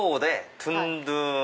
トゥンドゥン。